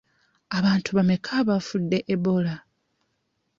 Bantu bameka abafudde Ebola?